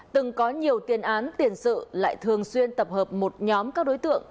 từng có nhiều tiền án tiền sự lại thường xuyên tập hợp một nhóm các đối tượng